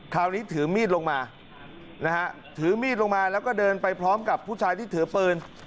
ถือมีดลงมานะฮะถือมีดลงมาแล้วก็เดินไปพร้อมกับผู้ชายที่ถือปืน